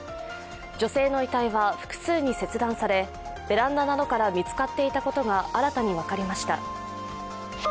女性の遺体は複数に切断されベランダなどから見つかっていたことが新たに分かりました。